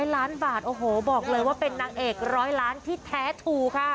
ล้านบาทโอ้โหบอกเลยว่าเป็นนางเอก๑๐๐ล้านที่แท้ถูกค่ะ